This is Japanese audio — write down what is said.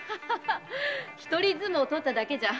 一人相撲をとっただけじゃ。